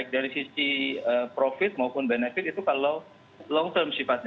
nah profit maupun benefit itu kalau long term sifatnya